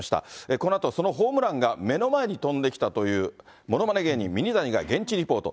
このあと、そのホームランが目の前に飛んできたというものまね芸人、ミニタニが現地リポート。